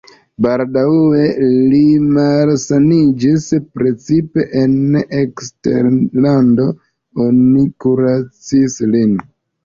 Baldaŭe li malsaniĝis, precipe en eksterlando oni kuracis lin.